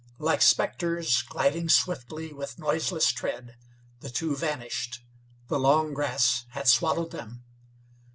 Like spectres, gliding swiftly with noiseless tread, the two vanished. The long grass had swallowed them.